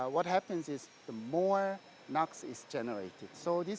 maka lebih banyak nuklir yang dihasilkan